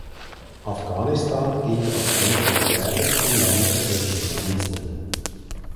Afghanistan gilt als eines der gefährlichsten Länder für Journalisten.